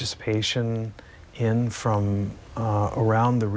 ในสถานีของประภาหลังศาสตร์